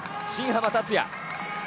新濱立也。